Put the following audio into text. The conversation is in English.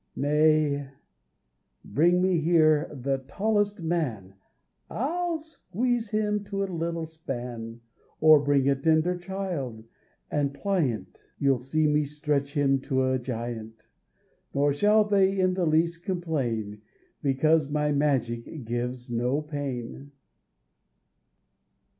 Nay, bring me here the tallest man, I'll squeeze him to a little span; Or bring a tender child, and pliant, You'll see me stretch him to a giant: Nor shall they in the least complain, Because my magic gives no pain.